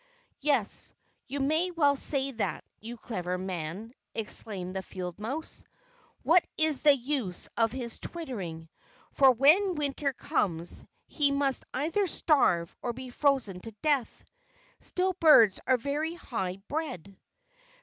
"Yes, you may well say that, you clever man!" exclaimed the field mouse. "What is the use of his twittering, for when Winter comes he must either starve or be frozen to death. Still, birds are very high bred."